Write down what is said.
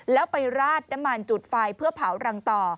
แล้วไปราดน้ำมันจุดไฟเพื่อเผารังต่อ